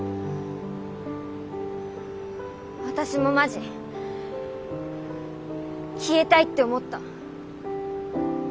私もマジ消えたいって思った。